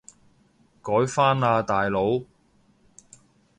改返喇大佬